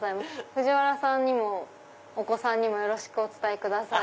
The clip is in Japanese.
藤原さんにもお子さんにもよろしくお伝えください。